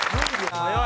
早い。